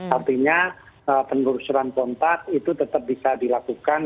artinya penelusuran kontak itu tetap bisa dilakukan